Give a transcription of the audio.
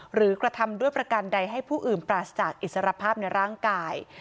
กระทำด้วยประกันใดให้ผู้อื่นปราศจากอิสรภาพในร่างกาย